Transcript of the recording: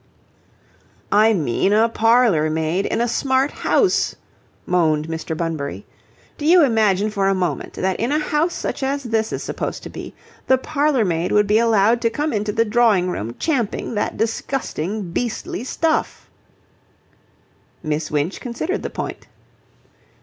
"I mean a parlour maid in a smart house," moaned Mr. Bunbury. "Do you imagine for a moment that in a house such as this is supposed to be the parlour maid would be allowed to come into the drawing room champing that disgusting, beastly stuff?" Miss Winch considered the point.